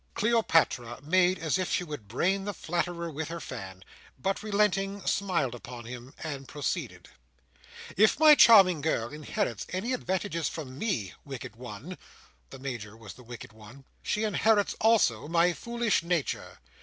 Cleopatra made as if she would brain the flatterer with her fan, but relenting, smiled upon him and proceeded: "If my charming girl inherits any advantages from me, wicked one!": the Major was the wicked one: "she inherits also my foolish nature.